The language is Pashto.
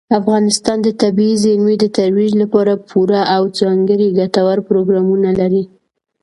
افغانستان د طبیعي زیرمې د ترویج لپاره پوره او ځانګړي ګټور پروګرامونه لري.